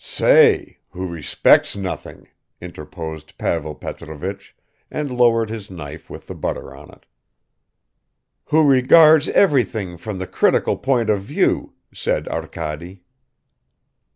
"Say who respects nothing," interposed Pavel Petrovich and lowered his knife with the butter on it. "Who regards everything from the critical point of view," said Arkady.